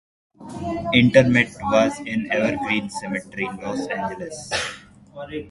Interment was in Evergreen Cemetery, Los Angeles.